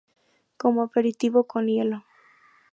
Como aperitivo, con hielo.